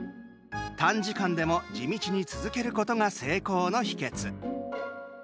短時間でも、地道に続けることが成功の秘けつ。